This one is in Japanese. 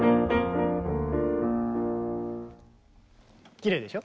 きれいでしょ？